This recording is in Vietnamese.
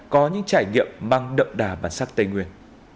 có những trải nghiệm mang đậm đà bản sắc tây nguyên